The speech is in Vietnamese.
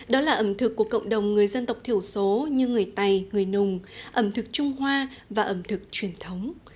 đó là ẩm thực của cộng đồng người dân tộc thiểu số như người tày người nùng ẩm thực trung hoa và ẩm thực truyền thống